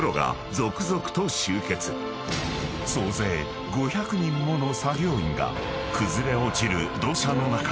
［総勢５００人もの作業員が崩れ落ちる土砂の中